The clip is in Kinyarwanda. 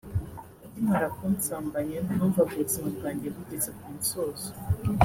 “Akimara kunsambanya numvaga ubuzima bwanjye bugeze ku musozo